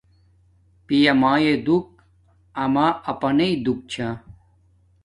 پیا میݵ دوک آما اپانݵ دوک چھا